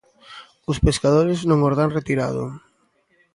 Os pescadores non os dan retirado.